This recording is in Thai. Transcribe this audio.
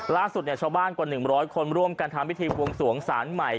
ล่าสุดชาวบ้านกว่า๑๐๐คนร่วมกันทำพิธีบวงสวงศาลใหม่